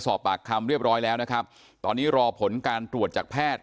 สอบปากคำเรียบร้อยแล้วนะครับตอนนี้รอผลการตรวจจากแพทย์